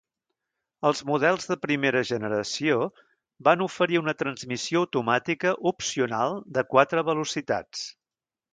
Els models de primera generació van oferir una transmissió automàtica opcional de quatre velocitats.